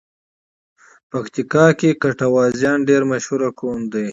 پکیتیکا کې ګټوازیان ډېر مشهور قوم دی.